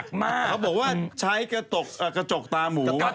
เขาบอกว่าใช้กระจกตาหมู